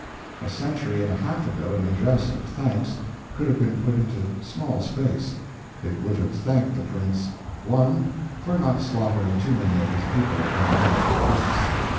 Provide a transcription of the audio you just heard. A century and a half ago an address of thanks could have been put into small space. It would have thanked the prince 1. For not slaughtering too many of his people upon mere caprice; 2.